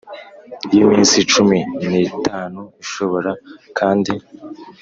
y iminsi cumi n itanu Ishobora kandi